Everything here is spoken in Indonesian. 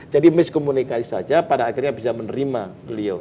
jadi miskomunikasi saja pada akhirnya bisa menerima beliau